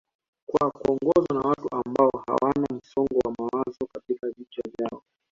kwa kuongozwa na watu ambao hawana msongo wa mawazo katika vichwa vyao